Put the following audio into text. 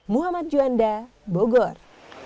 muhammad juanda bogor